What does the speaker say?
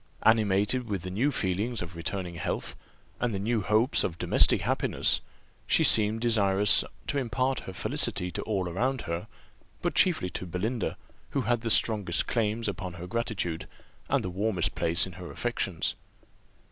Animated with the new feelings of returning health, and the new hopes of domestic happiness, she seemed desirous to impart her felicity to all around her, but chiefly to Belinda, who had the strongest claims upon her gratitude, and the warmest place in her affections.